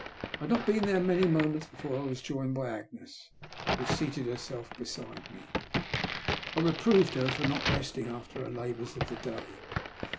I had not been there many moments before I was joined by Agnes, who seated herself beside me. I reproved her for not resting after her labours of the day.